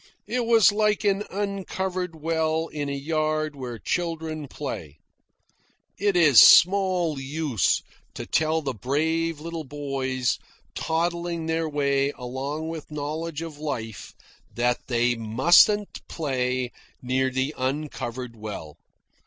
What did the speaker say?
It was like an uncovered well in a yard where children play. It is small use to tell the brave little boys toddling their way along into knowledge of life that they mustn't play near the uncovered well.